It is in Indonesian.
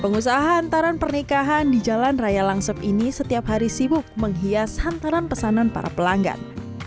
pengusaha hantaran pernikahan di jalan raya langsep ini setiap hari sibuk menghias hantaran pesanan para pelanggan